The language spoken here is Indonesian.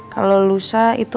kalau lusa itu